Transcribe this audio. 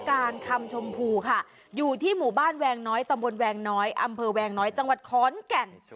การคำชมพูค่ะอยู่ที่หมู่บ้านแวงน้อยตำบลแวงน้อยอำเภอแวงน้อยจังหวัดขอนแก่น